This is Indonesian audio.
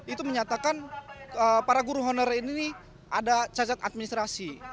itu menyatakan para guru honorer ini ada cacat administrasi